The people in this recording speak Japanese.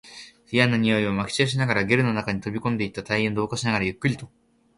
嫌な臭いを撒き散らしながら、ゲルの中に飛び込んでいった隊員を同化しながら、ゆっくりと